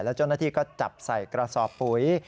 แล้วเจ้าหน้าที่ก็จับใส่กระสอบปุ๋ย